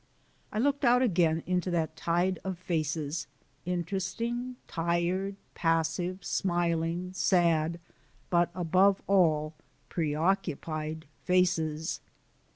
I looked out again into that tide of faces interesting, tired, passive, smiling, sad, but above all, preoccupied faces.